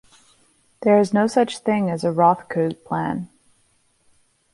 There is no such thing as a "Roth Keogh Plan".